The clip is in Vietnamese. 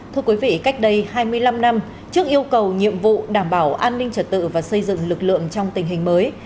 thưa quý vị cách đây hai mươi năm năm trước yêu cầu nhiệm vụ đảm bảo an ninh trật tự và xây dựng lực lượng trong tình hình mới